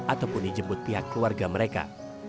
ataupun dijemput pihak keluarga mereka